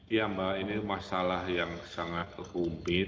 ya mbak ini masalah yang sangat rumit